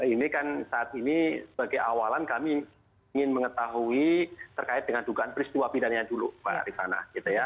ini kan saat ini sebagai awalan kami ingin mengetahui terkait dengan dugaan peristiwa pidana dulu pak rifana